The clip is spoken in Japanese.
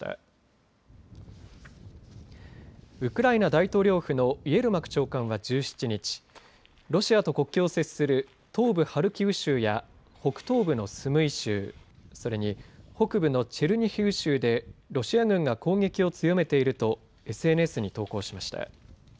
大統領府のイエルマク長官は１７日、ロシアと国境を接する東部ハルキウ州や北東部のスムイ州、それに北部のチェルニヒウ州でロシア軍が攻撃を強めているとＳＮＳに投稿しました。